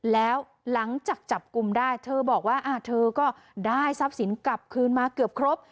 แล้วหลังจากจับกลุ่มได้เธอบอกว่าเธอก็ได้ทรัพย์สินกลับคืนมาเกือบครบ